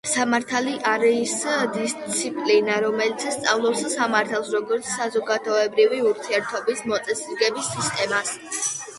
სამართალი არის დისციპლინა, რომელიც სწავლობს სამართალს, როგორც საზოგადოებრივი ურთიერთობის მოწესრიგების სისტემას .